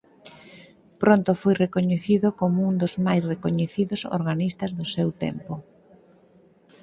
Pronto foi recoñecido como un dos máis recoñecidos organistas do seu tempo.